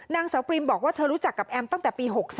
นางสาวปริมบอกว่าเธอรู้จักกับแอมตั้งแต่ปี๖๓